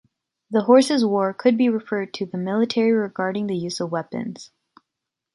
The horses war could be referred to the military regarding the use of weapons.